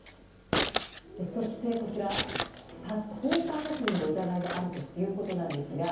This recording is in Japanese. そして、こちら放火殺人の疑いもあるということなんですが。